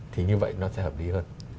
thì như vậy nó sẽ hợp lý hơn